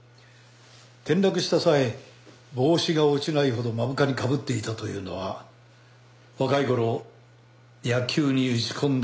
転落した際帽子が落ちないほど目深にかぶっていたというのは若い頃野球に打ち込んだ時期があったせいだろう。